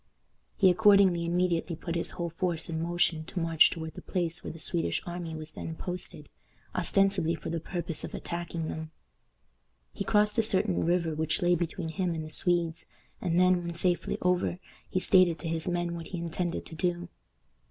He accordingly immediately put his whole force in motion to march toward the place where the Swedish army was then posted, ostensibly for the purpose of attacking them. He crossed a certain river which lay between him and the Swedes, and then, when safely over, he stated to his men what he intended to do.